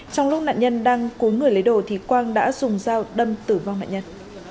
trong lúc nạn nhân đang cuối người lấy đồ thì quang đã dùng dao đâm tử vong nạn nhân